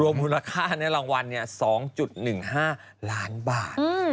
มูลค่าในรางวัล๒๑๕ล้านบาท